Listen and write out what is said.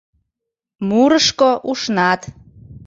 Мурышко ушнат.